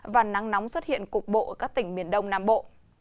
và nắng nóng xuất hiện cục bộ ở các tỉnh miền đông nam bộ